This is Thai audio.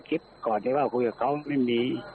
คุณผู้ชมไปฟังเสียงพร้อมกัน